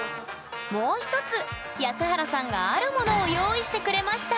もう一つ安原さんがあるものを用意してくれました！